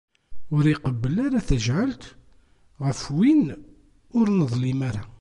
Ur iqebbel ara tajɛelt ɣef win ur neḍlim ara.